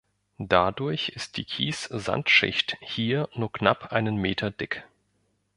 Dadurch ist die Kies-Sand-Schicht hier nur knapp einen Meter dick.